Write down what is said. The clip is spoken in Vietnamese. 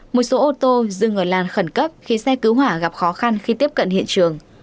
một số ô tô dừng ở làn khẩn cấp khiến xe cứu hỏa gặp khó khăn khi tiếp cận hiện trường